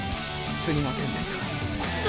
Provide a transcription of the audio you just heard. すみませんでした。